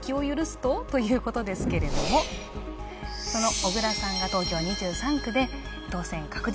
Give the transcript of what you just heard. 小倉さんが東京２３区で当選確実。